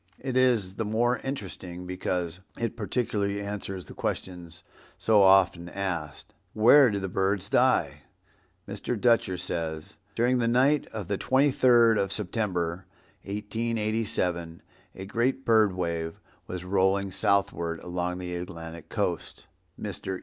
It is the more interesting because it partially answers the question so often asked, "Where do the birds die?" Mr. Dutcher says, "During the night of the twenty third of September, 1887, a great bird wave was rolling southward along the Atlantic coast. Mr.